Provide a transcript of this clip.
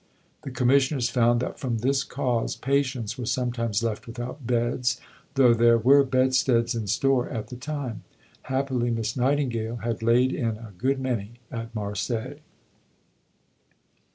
The Commissioners found that from this cause patients were sometimes left without beds, though there were bedsteads in store at the time. Happily Miss Nightingale had laid in a good many at Marseilles.